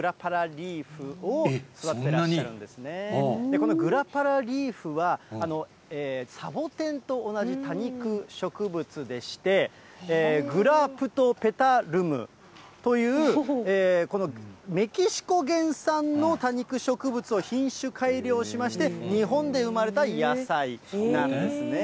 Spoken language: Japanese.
このグラパラリーフは、サボテンと同じ多肉植物でして、グラプトペタルムというこのメキシコ原産の多肉植物を品種改良しまして、日本で生まれた野菜なんですね。